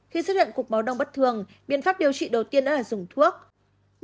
khi xuất hiện cục máu đông bất thường biện pháp điều trị đầu tiên là dùng thuốc